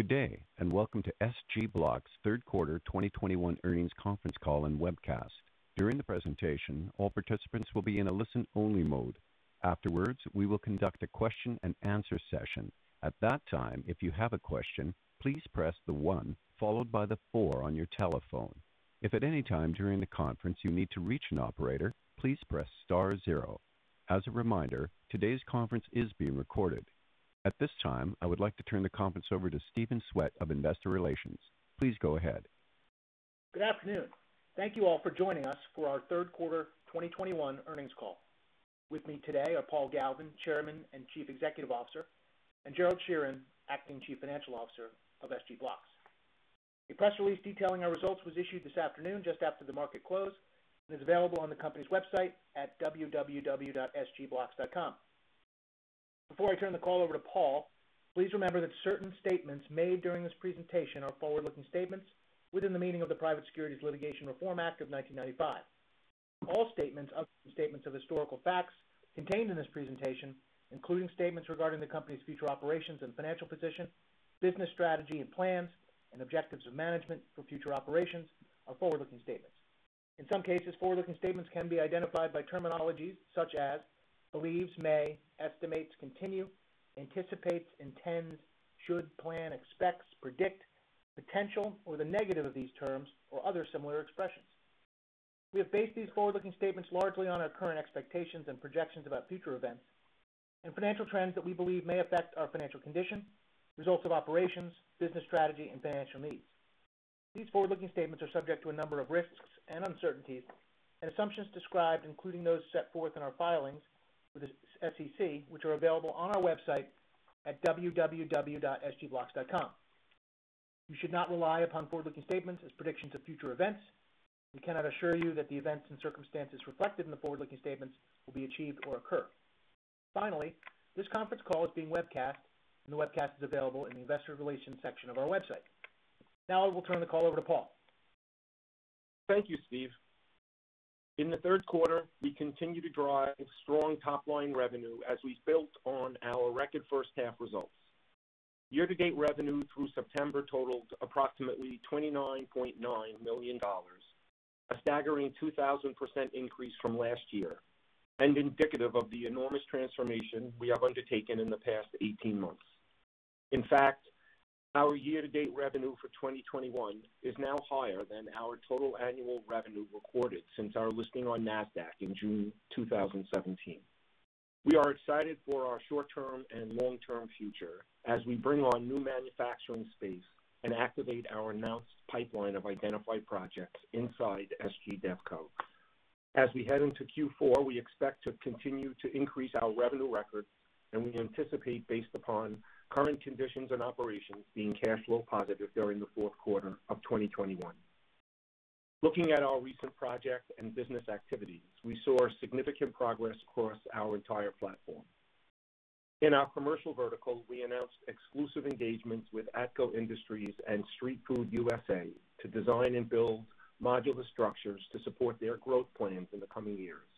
Good day, and welcome to SG Blocks third quarter 2021 earnings conference call and webcast. During the presentation, all participants will be in a listen-only mode. Afterwards, we will conduct a question-and-answer session. At that time, if you have a question, please press the one followed by the four on your telephone. If at any time during the conference you need to reach an operator, please press star zero. As a reminder, today's conference is being recorded. At this time, I would like to turn the conference over to Stephen Swett of Investor Relations. Please go ahead. Good afternoon. Thank you all for joining us for our third quarter 2021 earnings call. With me today are Paul Galvin, Chairman and Chief Executive Officer, and Gerald Sheeran, Acting Chief Financial Officer of SG Blocks. A press release detailing our results was issued this afternoon just after the market closed and is available on the company's website at www.sgblocks.com. Before I turn the call over to Paul, please remember that certain statements made during this presentation are forward-looking statements within the meaning of the Private Securities Litigation Reform Act of 1995. All statements other than statements of historical facts contained in this presentation, including statements regarding the company's future operations and financial position, business strategy and plans, and objectives of management for future operations are forward-looking statements. In some cases, forward-looking statements can be identified by terminology such as believes, may, estimates, continue, anticipates, intends, should, plan, expects, predict, potential, or the negative of these terms, or other similar expressions. We have based these forward-looking statements largely on our current expectations and projections about future events and financial trends that we believe may affect our financial condition, results of operations, business strategy, and financial needs. These forward-looking statements are subject to a number of risks and uncertainties and assumptions described, including those set forth in our filings with the SEC, which are available on our website at www.sgblocks.com. You should not rely upon forward-looking statements as predictions of future events. We cannot assure you that the events and circumstances reflected in the forward-looking statements will be achieved or occur. Finally, this conference call is being webcast, and the webcast is available in the investor relations section of our website. Now I will turn the call over to Paul. Thank you, Stephen. In the third quarter, we continued to drive strong top-line revenue as we built on our record first half results. Year-to-date revenue through September totaled approximately $29.9 million, a staggering 2,000% increase from last year, and indicative of the enormous transformation we have undertaken in the past 18 months. In fact, our year-to-date revenue for 2021 is now higher than our total annual revenue recorded since our listing on Nasdaq in June 2017. We are excited for our short-term and long-term future as we bring on new manufacturing space and activate our announced pipeline of identified projects inside SG DevCo. As we head into Q4, we expect to continue to increase our revenue record, and we anticipate based upon current conditions and operations being cash flow positive during the fourth quarter of 2021. Looking at our recent projects and business activities, we saw significant progress across our entire platform. In our commercial vertical, we announced exclusive engagements with ATCO Industries and Street Food USA to design and build modular structures to support their growth plans in the coming years.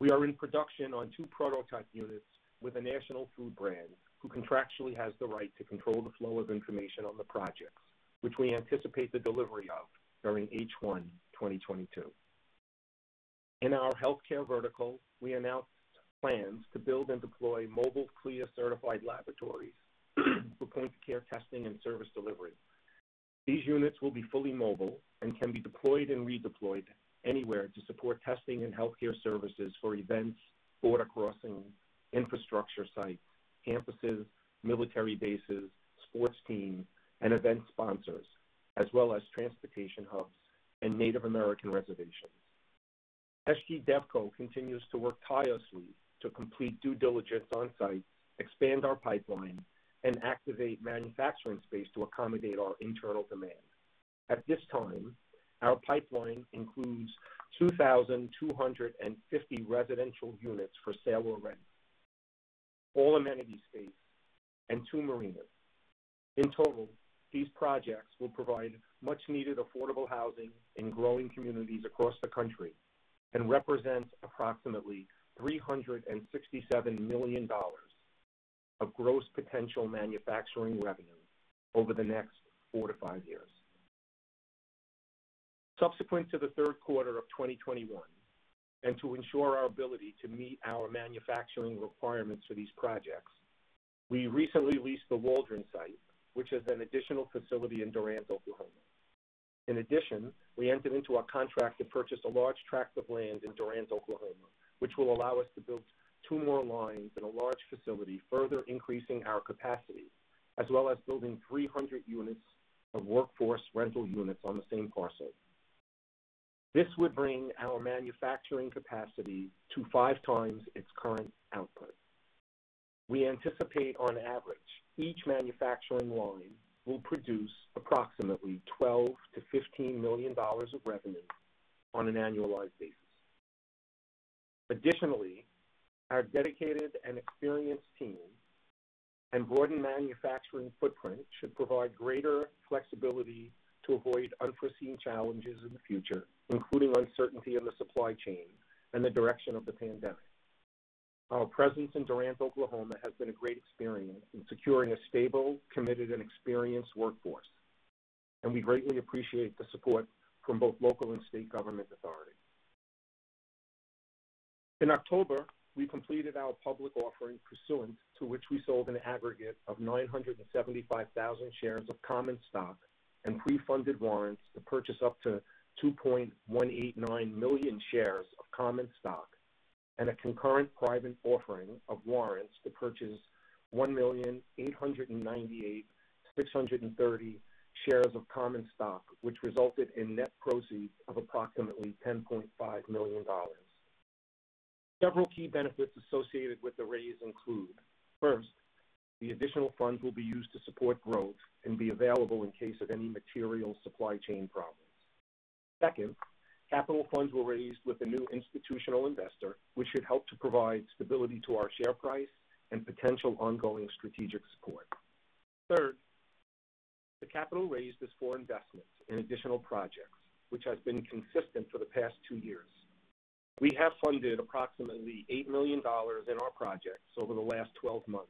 We are in production on two prototype units with a national food brand who contractually has the right to control the flow of information on the projects, which we anticipate the delivery of during H1 2022. In our healthcare vertical, we announced plans to build and deploy mobile CLIA-certified laboratories for point-of-care testing and service delivery. These units will be fully mobile and can be deployed and redeployed anywhere to support testing and healthcare services for events, border crossing, infrastructure sites, campuses, military bases, sports teams and event sponsors, as well as transportation hubs and Native American reservations. SG DevCo continues to work tirelessly to complete due diligence on site, expand our pipeline, and activate manufacturing space to accommodate our internal demands. At this time, our pipeline includes 2,250 residential units for sale or rent, all amenity space, and two marinas. In total, these projects will provide much needed affordable housing in growing communities across the country and represents approximately $367 million of gross potential manufacturing revenue over the next 4-5 years. Subsequent to the third quarter of 2021, and to ensure our ability to meet our manufacturing requirements for these projects, we recently leased the Waldron site, which is an additional facility in Durant, Oklahoma. In addition, we entered into a contract to purchase a large tract of land in Durant, Oklahoma, which will allow us to build two more lines in a large facility, further increasing our capacity, as well as building 300 units of workforce rental units on the same parcel. This would bring our manufacturing capacity to five times its current output. We anticipate on average, each manufacturing line will produce approximately $12 million-$15 million of revenue on an annualized basis. Additionally, our dedicated and experienced team and broadened manufacturing footprint should provide greater flexibility to avoid unforeseen challenges in the future, including uncertainty in the supply chain and the direction of the pandemic. Our presence in Durant, Oklahoma has been a great experience in securing a stable, committed, and experienced workforce, and we greatly appreciate the support from both local and state government authorities. In October, we completed our public offering pursuant to which we sold an aggregate of 975,000 shares of common stock and pre-funded warrants to purchase up to 2.189 million shares of common stock and a concurrent private offering of warrants to purchase 1,898,630 shares of common stock, which resulted in net proceeds of approximately $10.5 million. Several key benefits associated with the raise include, first, the additional funds will be used to support growth and be available in case of any material supply chain problems. Second, capital funds were raised with a new institutional investor, which should help to provide stability to our share price and potential ongoing strategic support. Third, the capital raised is for investments in additional projects, which has been consistent for the past two years. We have funded approximately $8 million in our projects over the last 12 months.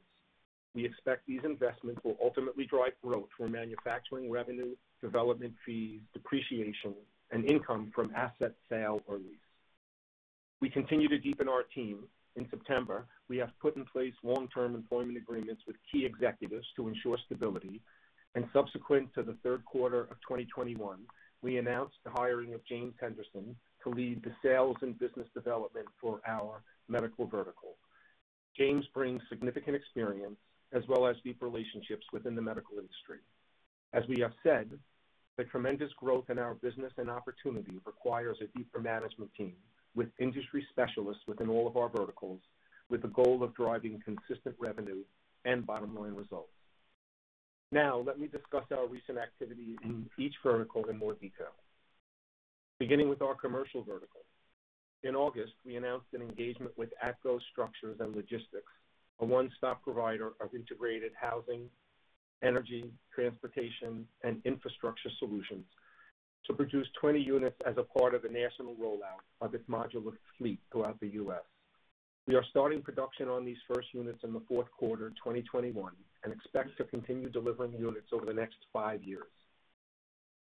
We expect these investments will ultimately drive growth from manufacturing revenue, development fees, depreciation, and income from asset sale or lease. We continue to deepen our team. In September, we have put in place long-term employment agreements with key executives to ensure stability. Subsequent to the third quarter of 2021, we announced the hiring of James Henderson to lead the sales and business development for our medical vertical. James brings significant experience as well as deep relationships within the medical industry. As we have said, the tremendous growth in our business and opportunity requires a deeper management team with industry specialists within all of our verticals with the goal of driving consistent revenue and bottom-line results. Now, let me discuss our recent activity in each vertical in more detail. Beginning with our commercial vertical. In August, we announced an engagement with ATCO Structures & Logistics, a one-stop provider of integrated housing, energy, transportation, and infrastructure solutions, to produce 20 units as a part of a national rollout of its modular fleet throughout the U.S. We are starting production on these first units in the fourth quarter 2021 and expect to continue delivering units over the next five years.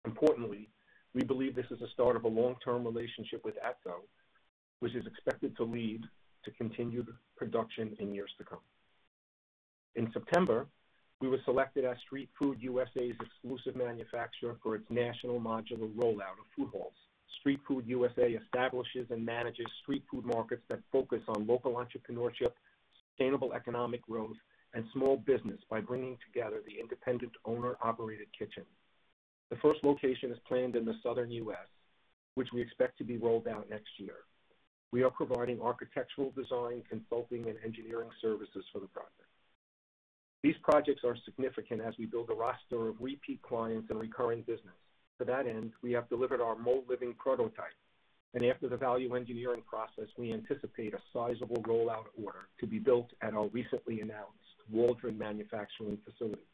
Importantly, we believe this is the start of a long-term relationship with ATCO, which is expected to lead to continued production in years to come. In September, we were selected as Street Food USA's exclusive manufacturer for its national modular rollout of food halls. Street Food USA establishes and manages street food markets that focus on local entrepreneurship, sustainable economic growth, and small business by bringing together the independent owner-operated kitchen. The first location is planned in the Southern U.S., which we expect to be rolled out next year. We are providing architectural design, consulting, and engineering services for the project. These projects are significant as we build a roster of repeat clients and recurring business. To that end, we have delivered our MOAT Living prototype, and after the value engineering process, we anticipate a sizable rollout order to be built at our recently announced Waldron manufacturing facility.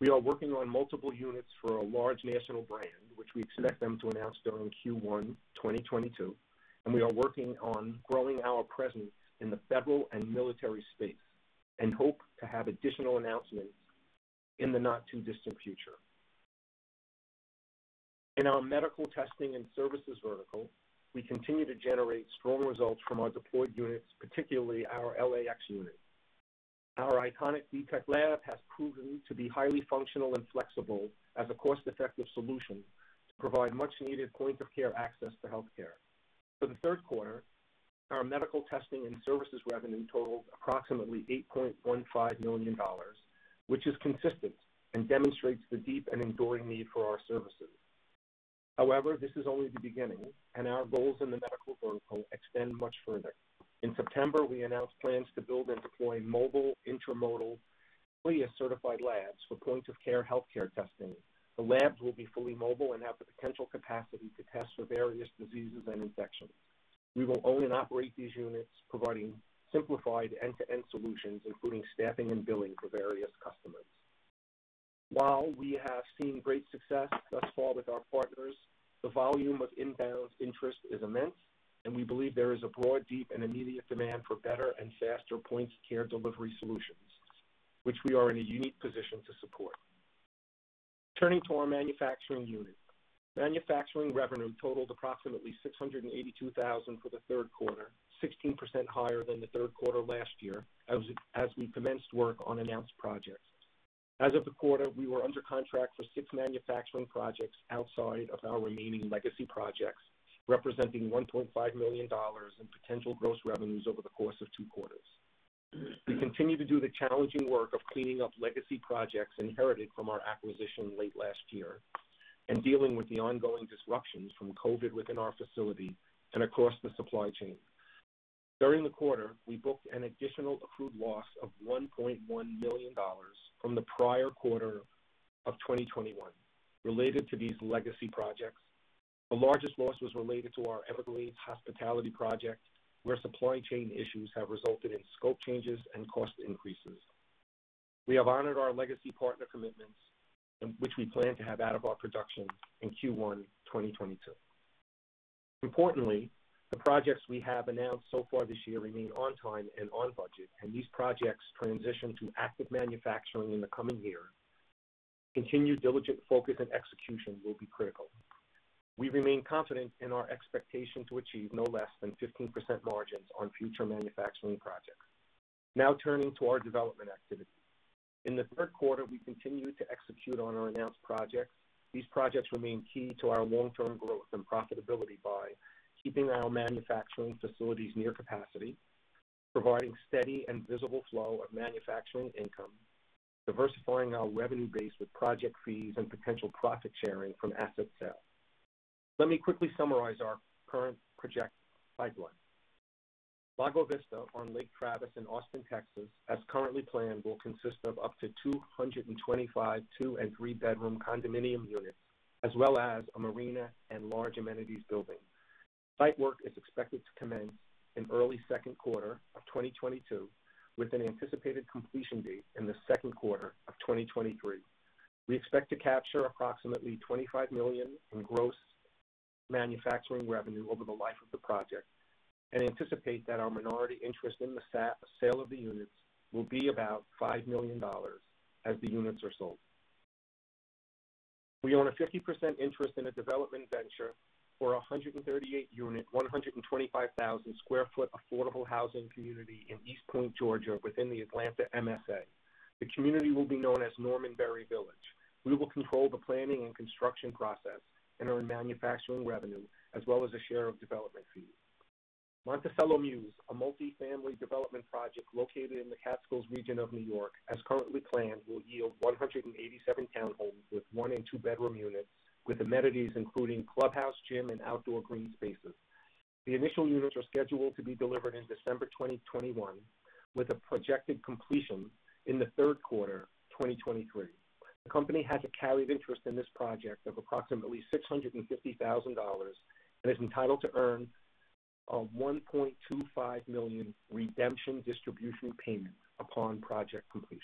We are working on multiple units for a large national brand, which we expect them to announce during Q1 2022, and we are working on growing our presence in the federal and military space and hope to have additional announcements in the not-too-distant future. In our medical testing and services vertical, we continue to generate strong results from our deployed units, particularly our LAX unit. Our iconic D-Tek Lab has proven to be highly functional and flexible as a cost-effective solution to provide much-needed point-of-care access to healthcare. For the third quarter, our medical testing and services revenue totaled approximately $8.15 million, which is consistent and demonstrates the deep and enduring need for our services. However, this is only the beginning, and our goals in the medical vertical extend much further. In September, we announced plans to build and deploy mobile intermodal CLIA-certified labs for point-of-care healthcare testing. The labs will be fully mobile and have the potential capacity to test for various diseases and infections. We will own and operate these units, providing simplified end-to-end solutions, including staffing and billing for various customers. While we have seen great success thus far with our partners, the volume of inbound interest is immense, and we believe there is a broad, deep, and immediate demand for better and faster point-of-care delivery solutions, which we are in a unique position to support. Turning to our manufacturing unit. Manufacturing revenue totaled approximately $682,000 for the third quarter, 16% higher than the third quarter last year as we commenced work on announced projects. As of the quarter, we were under contract for six manufacturing projects outside of our remaining legacy projects, representing $1.5 million in potential gross revenues over the course of two quarters. We continue to do the challenging work of cleaning up legacy projects inherited from our acquisition late last year and dealing with the ongoing disruptions from COVID within our facility and across the supply chain. During the quarter, we booked an additional accrued loss of $1.1 million from the prior quarter of 2021 related to these legacy projects. The largest loss was related to our Everglades Hospitality project, where supply chain issues have resulted in scope changes and cost increases. We have honored our legacy partner commitments, and which we plan to have out of our production in Q1 2022. Importantly, the projects we have announced so far this year remain on time and on budget, and these projects transition to active manufacturing in the coming year. Continued diligent focus and execution will be critical. We remain confident in our expectation to achieve no less than 15% margins on future manufacturing projects. Now turning to our development activity. In the third quarter, we continued to execute on our announced projects. These projects remain key to our long-term growth and profitability by keeping our manufacturing facilities near capacity, providing steady and visible flow of manufacturing income, diversifying our revenue base with project fees and potential profit sharing from asset sales. Let me quickly summarize our current project pipeline. Lago Vista on Lake Travis in Austin, Texas, as currently planned, will consist of up to 225 two and three bedroom condominium units, as well as a marina and large amenities building. Site work is expected to commence in early second quarter of 2022, with an anticipated completion date in the second quarter of 2023. We expect to capture approximately $25 million in gross manufacturing revenue over the life of the project, and anticipate that our minority interest in the sale of the units will be about $5 million as the units are sold. We own a 50% interest in a development venture for a 138-unit, 125,000 sq ft affordable housing community in East Point, Georgia, within the Atlanta MSA. The community will be known as Norman Berry Village. We will control the planning and construction process and earn manufacturing revenue as well as a share of development fees. Monticello Mews, a multi-family development project located in the Catskills region of New York, as currently planned, will yield 187 townhomes with one- and two-bedroom units, with amenities including clubhouse, gym, and outdoor green spaces. The initial units are scheduled to be delivered in December 2021, with a projected completion in the third quarter 2023. The company has a carried interest in this project of approximately $650,000 and is entitled to earn a $1.25 million redemption distribution payment upon project completion.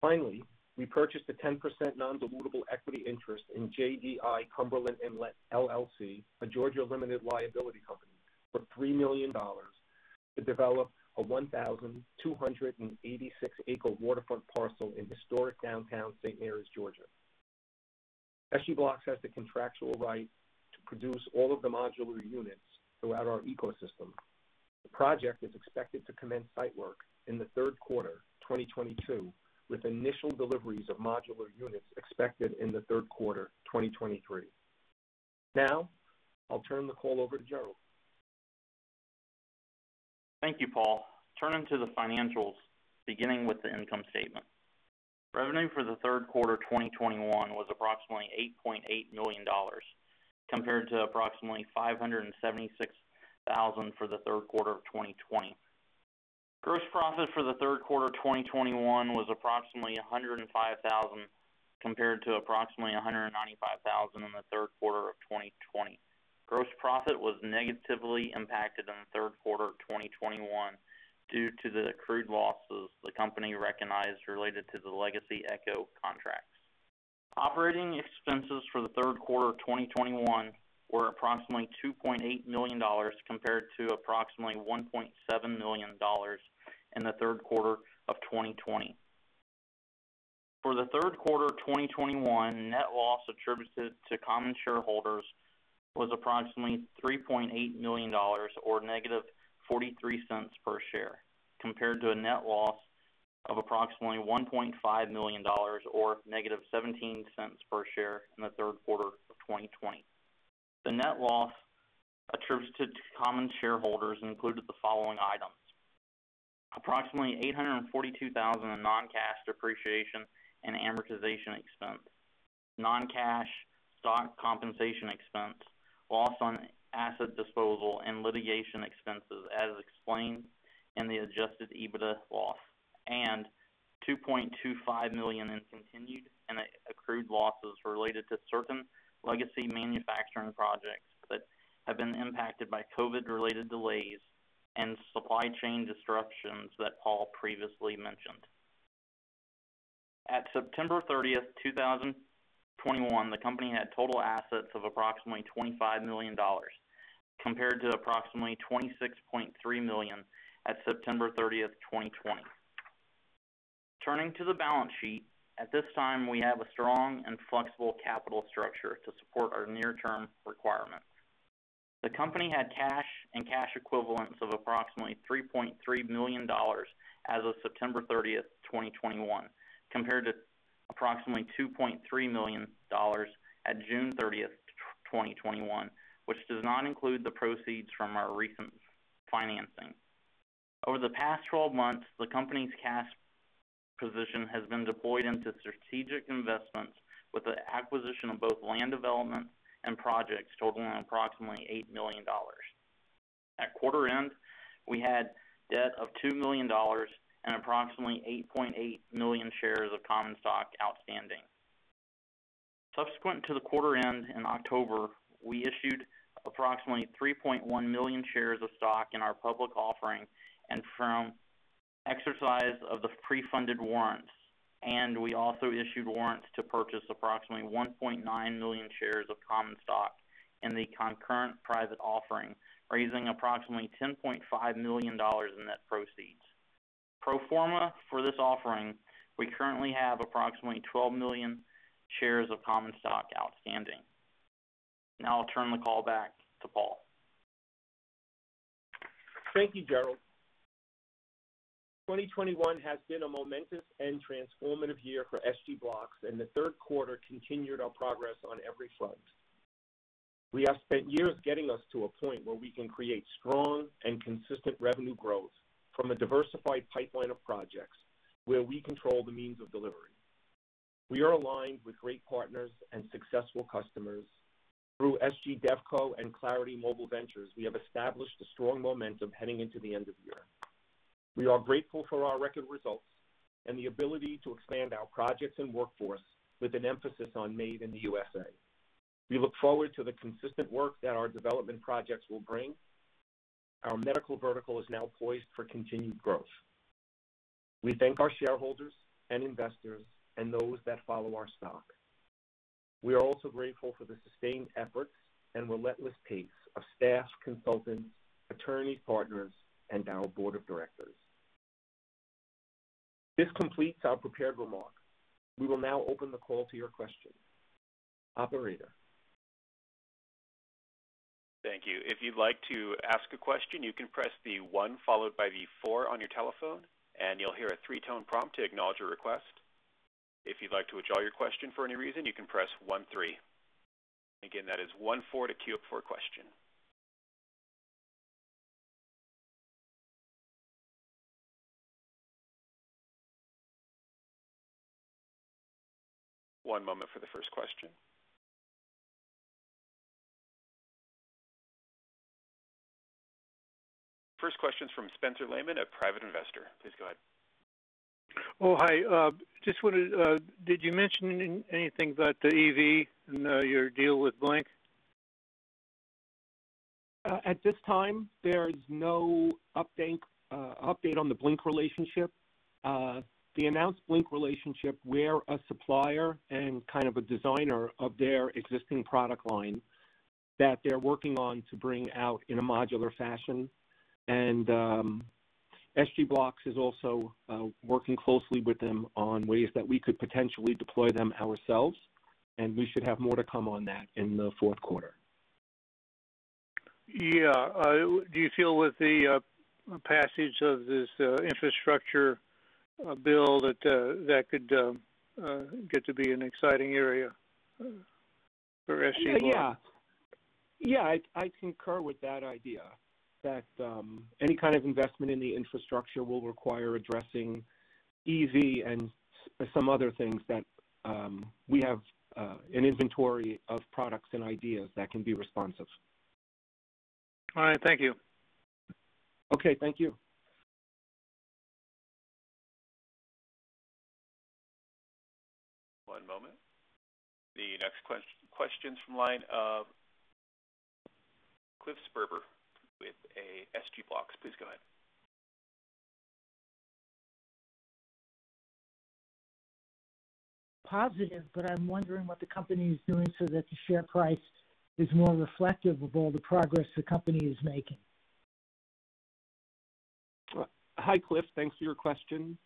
Finally, we purchased a 10% non-dilutable equity interest in JDI-Cumberland Inlet, LLC, a Georgia limited liability company, for $3 million to develop a 1,286-acre waterfront parcel in historic downtown St. Mary's, Georgia. SG Blocks has the contractual right to produce all of the modular units throughout our ecosystem. The project is expected to commence site work in the third quarter 2022, with initial deliveries of modular units expected in the third quarter 2023. Now, I'll turn the call over to Gerald. Thank you, Paul. Turning to the financials, beginning with the income statement. Revenue for the third quarter 2021 was approximately $8.8 million, compared to approximately $576,000 thousand for the third quarter of 2020. Gross profit for the third quarter 2021 was approximately $105,000 thousand, compared to approximately $195,000 thousand in the third quarter of 2020. Gross profit was negatively impacted in the third quarter 2021 due to the accrued losses the company recognized related to the legacy ECHO DCL contracts. Operating expenses for the third quarter 2021 were approximately $2.8 million compared to approximately $1.7 million in the third quarter of 2020. For the third quarter of 2021, net loss attributed to common shareholders was approximately $3.8 million or -$0.43 per share, compared to a net loss of approximately $1.5 million or -$0.17 per share in the third quarter of 2020. The net loss attributed to common shareholders included the following items. Approximately $842,000 in non-cash depreciation and amortization expense, non-cash stock compensation expense, loss on asset disposal and litigation expenses as explained in the Adjusted EBITDA loss, and $2.25 million in continued and accrued losses related to certain legacy manufacturing projects that have been impacted by COVID related delays and supply chain disruptions that Paul previously mentioned. At September 30th, 2021, the company had total assets of approximately $25 million, compared to approximately $26.3 million at September 30th, 2020. Turning to the balance sheet. At this time, we have a strong and flexible capital structure to support our near-term requirements. The company had cash and cash equivalents of approximately $3.3 million as of September 30th, 2021, compared to approximately $2.3 million at June 30th, 2021, which does not include the proceeds from our recent financing. Over the past 12 months, the company's cash position has been deployed into strategic investments with the acquisition of both land development and projects totaling approximately $8 million. At quarter end, we had debt of $2 million and approximately 8.8 million shares of common stock outstanding. Subsequent to the quarter end in October, we issued approximately 3.1 million shares of stock in our public offering and from exercise of the pre-funded warrants. We also issued warrants to purchase approximately 1.9 million shares of common stock in the concurrent private offering, raising approximately $10.5 million in net proceeds. Pro forma for this offering, we currently have approximately 12 million shares of common stock outstanding. Now I'll turn the call back to Paul Galvin. Thank you, Gerald. 2021 has been a momentous and transformative year for SG Blocks, and the third quarter continued our progress on every front. We have spent years getting us to a point where we can create strong and consistent revenue growth from a diversified pipeline of projects where we control the means of delivery. We are aligned with great partners and successful customers. Through SG DevCo and Clarity Mobile Ventures, we have established a strong momentum heading into the end of the year. We are grateful for our record results and the ability to expand our projects and workforce with an emphasis on made in the USA. We look forward to the consistent work that our development projects will bring. Our medical vertical is now poised for continued growth. We thank our shareholders and investors and those that follow our stock. We are also grateful for the sustained efforts and relentless pace of staff, consultants, attorneys, partners, and our board of directors. This completes our prepared remarks. We will now open the call to your questions. Operator? Thank you. If you'd like to ask a question, you can press the one followed by the four on your telephone, and you'll hear a three-tone prompt to acknowledge your request. If you'd like to withdraw your question for any reason, you can press one three. Again, that is one four to queue up for a question. One moment for the first question. First question is from Spencer Lehman at Private Investor. Please go ahead. Oh, hi. Did you mention anything about the EV and your deal with Blink? At this time, there is no update on the Blink relationship. The announced Blink relationship, we're a supplier and kind of a designer of their existing product line that they're working on to bring out in a modular fashion. SG Blocks is also working closely with them on ways that we could potentially deploy them ourselves, and we should have more to come on that in the fourth quarter. Yeah. Do you feel with the passage of this infrastructure bill that could get to be an exciting area for SG Blocks? Yeah. Yeah, I concur with that idea. That any kind of investment in the infrastructure will require addressing EV and some other things that we have an inventory of products and ideas that can be responsive. All right. Thank you. Okay, thank you. One moment. The next question is from the line of Cliff Sperber with SG Blocks. Please go ahead. Positive, but I'm wondering what the company is doing so that the share price is more reflective of all the progress the company is making. Hi, Cliff. Thanks for your question.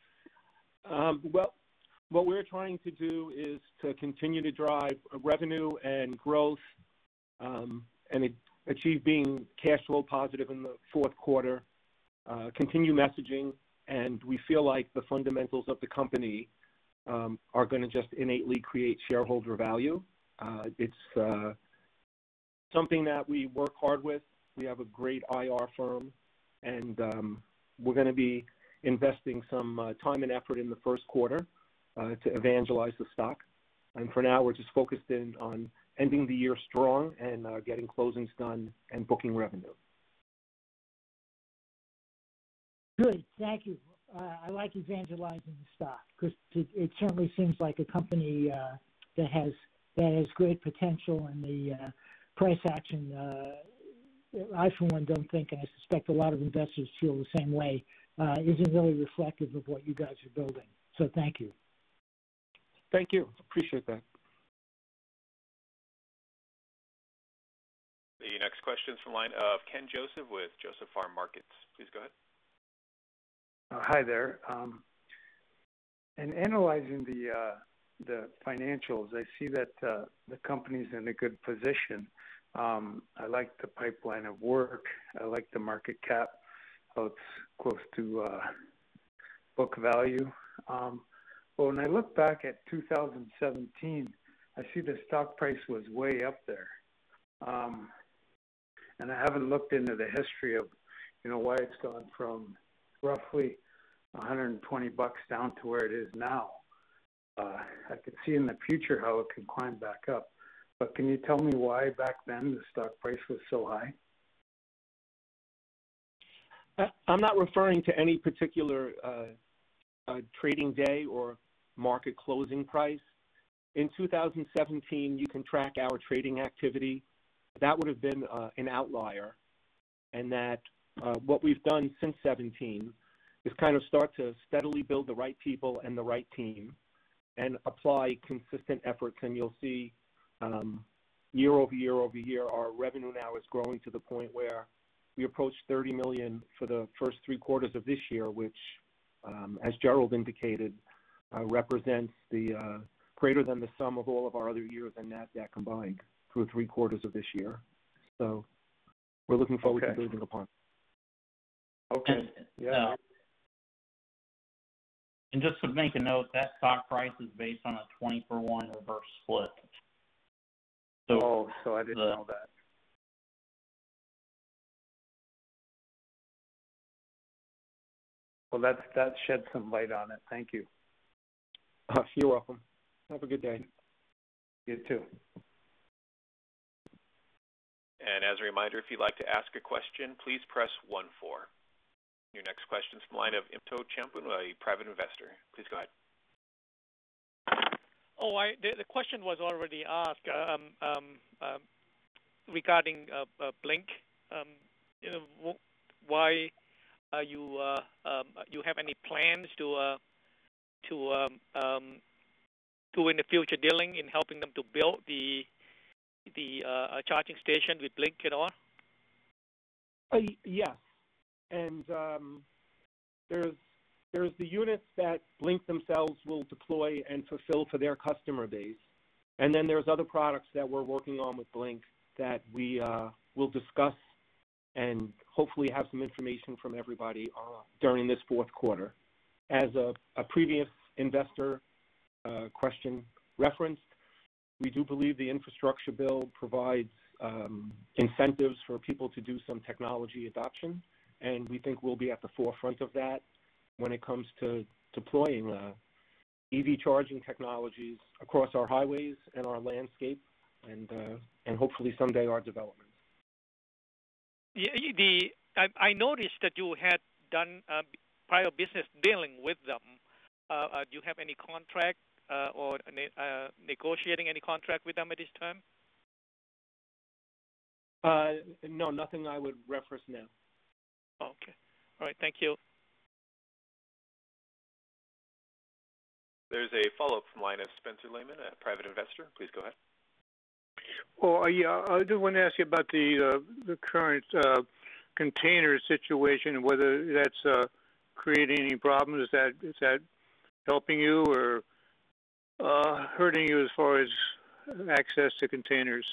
Well, what we're trying to do is to continue to drive revenue and growth, and achieve being cash flow positive in the fourth quarter, continue messaging, and we feel like the fundamentals of the company are gonna just innately create shareholder value. It's something that we work hard with. We have a great IR firm, and we're gonna be investing some time and effort in the first quarter to evangelize the stock. For now, we're just focused in on ending the year strong and getting closings done and booking revenue. Good. Thank you. I like evangelizing the stock 'cause it certainly seems like a company that has great potential in the price action. I, for one, don't think, and I suspect a lot of investors feel the same way, isn't really reflective of what you guys are building. Thank you. Thank you. Appreciate that. The next question is from the line of Ken Joseph with Joseph Farm Markets. Please go ahead. Hi there. In analyzing the financials, I see that the company's in a good position. I like the pipeline of work. I like the market cap how it's close to book value. When I look back at 2017, I see the stock price was way up there. I haven't looked into the history of, you know, why it's gone from roughly $120 down to where it is now. I could see in the future how it could climb back up. Can you tell me why back then the stock price was so high? I'm not referring to any particular trading day or market closing price. In 2017, you can track our trading activity. That would have been an outlier. That what we've done since 2017 is kind of start to steadily build the right people and the right team and apply consistent effort. You'll see year-over-year, our revenue now is growing to the point where we approach $30 million for the first three quarters of this year, which, as Gerald indicated, represents the greater than the sum of all of our other years in Nasdaq combined through three quarters of this year. We're looking forward to building upon. Okay. Yeah. Just to make a note, that stock price is based on a 20-for-1 reverse split. Oh, I didn't know that. Well, that sheds some light on it. Thank you. You're welcome. Have a good day. You too. As a reminder, if you'd like to ask a question, please press one four. Your next question is from the line of Elton Cheung, a private investor. Please go ahead. Oh, the question was already asked regarding Blink. Why do you have any plans to in the future dealing in helping them to build the charging station with Blink at all? Yes. There's the units that Blink themselves will deploy and fulfill for their customer base. There's other products that we're working on with Blink that we will discuss and hopefully have some information from everybody during this fourth quarter. As a previous investor question referenced, we do believe the infrastructure bill provides incentives for people to do some technology adoption, and we think we'll be at the forefront of that when it comes to deploying EV charging technologies across our highways and our landscape and hopefully someday our development. I noticed that you had done prior business dealing with them. Do you have any contract or negotiating any contract with them at this time? No, nothing I would reference now. Okay. All right. Thank you. There's a follow-up from the line of Spencer Lehman, a private investor. Please go ahead. Oh, yeah. I do want to ask you about the current container situation, whether that's creating any problems. Is that helping you or hurting you as far as access to containers?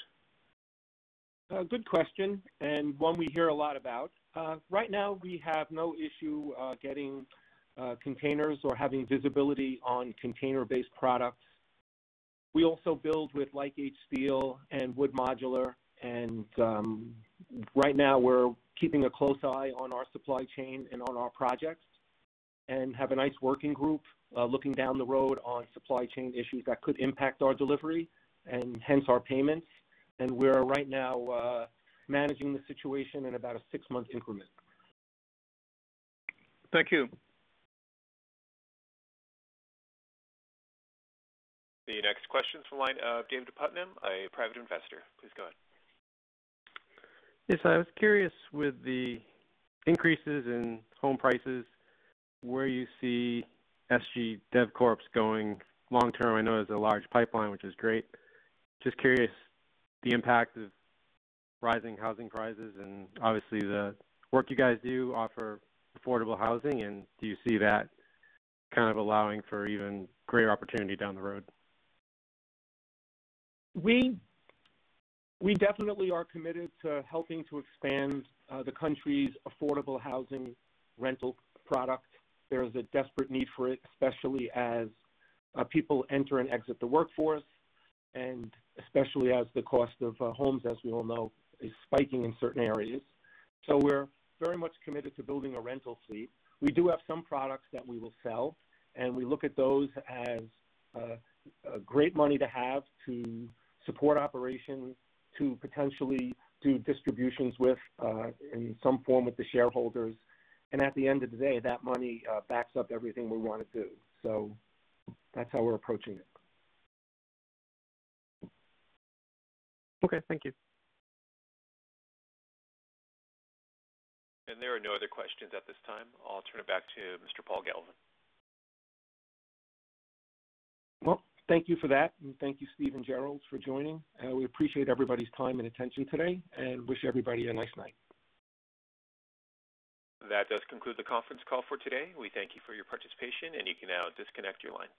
A good question, and one we hear a lot about. Right now, we have no issue getting containers or having visibility on container-based products. We also build with like H-beam steel and wood modular, and right now we're keeping a close eye on our supply chain and on our projects, and have a nice working group looking down the road on supply chain issues that could impact our delivery and hence our payments. We're right now managing the situation in about a six-month increment. Thank you. The next question is from the line of David Putnam, a private investor. Please go ahead. Yes, I was curious with the increases in home prices, where you see SGB Development Corp. going long term. I know there's a large pipeline, which is great. Just curious the impact of rising housing prices and obviously the work you guys do offer affordable housing, and do you see that kind of allowing for even greater opportunity down the road? We definitely are committed to helping to expand the country's affordable housing rental product. There is a desperate need for it, especially as people enter and exit the workforce, and especially as the cost of homes, as we all know, is spiking in certain areas. We're very much committed to building a rental fleet. We do have some products that we will sell, and we look at those as great money to have to support operations, to potentially do distributions with in some form with the shareholders. And at the end of the day, that money backs up everything we want to do. That's how we're approaching it. Okay. Thank you. There are no other questions at this time. I'll turn it back to Mr. Paul Galvin. Well, thank you for that. Thank you, Stephen and Gerald, for joining. We appreciate everybody's time and attention today and wish everybody a nice night. That does conclude the conference call for today. We thank you for your participation, and you can now disconnect your lines.